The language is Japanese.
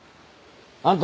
あんた